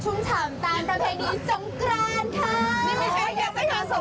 อ๋อพรุ่งก็คือจุดใหญ่ชุดต่อมาน่ะ